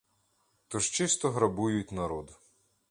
То ж чисто грабують народ.